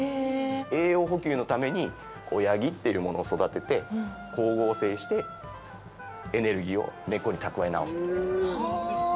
栄養補給のために親木っていうものを育てて光合成してエネルギーを根っこに蓄え直すと。